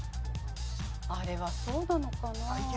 あれはそうなのかな？